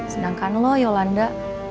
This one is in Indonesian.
sedangkan lo yolanda